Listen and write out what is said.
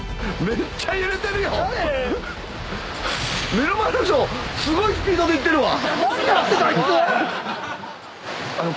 目の前の人すごいスピードで行ってるわ。